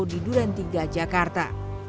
dan di jogja jakarta